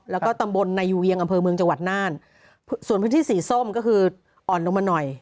แล้วก็ตำบลนายูเวียงอำเภอเมืองจังหวัดน่านส่วนพื้นที่สีส้มก็คืออ่อนลงมาหน่อย